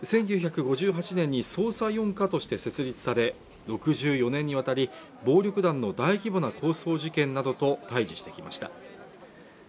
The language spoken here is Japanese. １９５８年に捜査四課として設立され６４年にわたり暴力団の大規模な抗争事件などと対峙してきました